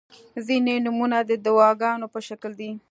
• ځینې نومونه د دعاګانو په شکل دي.